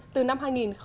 từ năm hai nghìn bốn mươi